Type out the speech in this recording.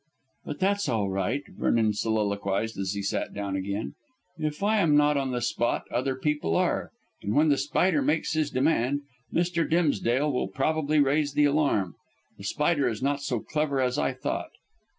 "But that's all right," Vernon soliloquised, as he sat down again. "If I am not on the spot other people are, and when The Spider makes his demand, Mr. Dimsdale will probably raise the alarm. The Spider is not so clever as I thought."